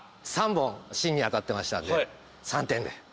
３本芯に当たってましたんで３点で。